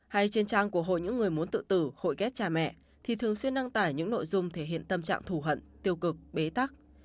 hay trên trang của hội những người muốn tự tử hội ghét cha mẹ thì thường xuyên đăng tải những nội dung thể hiện tâm trạng thù hận tiêu cực bế tắc